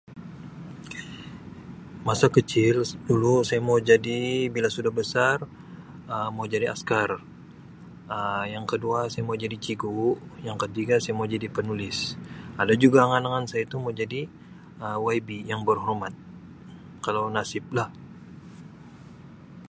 Masa kecil dulu saya mau jadi bila sudah besar Um mau jadi askar Um yang kedua saya mau jadi cigu, yang ketiga saya mau jadi penulis, ada juga angan-angan saya tu mau jadi Um YB, yang berhormat. Um Kalau nasiblah.